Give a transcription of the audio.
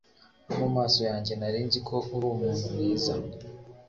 no mu maso yanjye narinzi ko uri umuntu mwiza